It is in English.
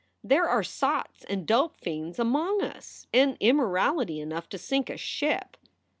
"There are sots and dope fiends among us, and immorality enough to sink a ship."